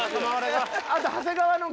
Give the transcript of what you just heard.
あと長谷川の。